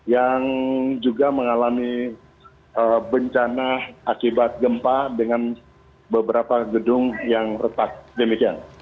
yang juga mengalami bencana akibat gempa dengan beberapa gedung yang retak demikian